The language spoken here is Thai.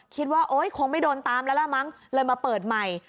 คิดว่าคงไม่โดนตามแล้วแล้วมั้งเลยมาเปิดใหม่